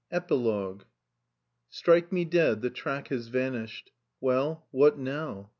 CONCLUSION "Strike me dead, the track has vanished, Well, what now?